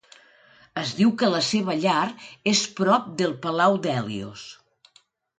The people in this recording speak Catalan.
Es diu que la seva llar és prop del Palau d'Hèlios.